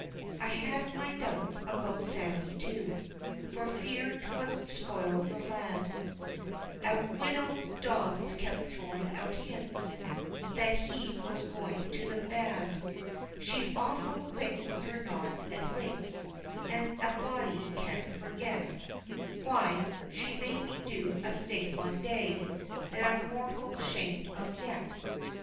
I had my doubts about Sammie too, For fear 'twould spoil the lad, An' widow Dobbs kept throwing out hints That he was going to the bad. She's awful quick with her nods and winks, An' a body can't forget, Why, she made me do a thing one day That I'm mortal shamed of yet.